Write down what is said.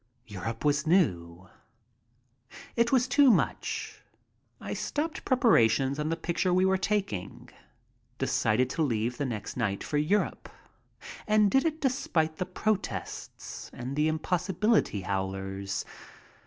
Europe was new. It was too much. I stopped preparations on the pic ture we were taking. Decided to leave the next night for Europe. And did it despite the protests and the impossibility howlers.